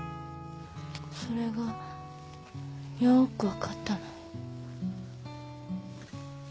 それがようく分かったの。